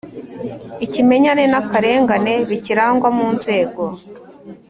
Ikimenyane n akarengane bikirangwa mu nzego